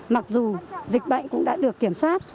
mặc dù dịch bệnh cũng đã được kiểm soát